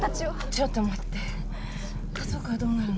ちょっと待って家族はどうなるの？